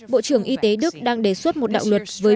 bộ trưởng y tế đức đang đề xuất một đạo luật